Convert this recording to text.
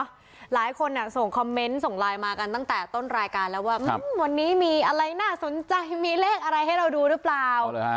หลายคนส่งคอมเมนต์ส่งไลน์มากันตั้งแต่ต้นรายการแล้วว่าวันนี้มีอะไรน่าสนใจมีเลขอะไรให้เราดูหรือเปล่า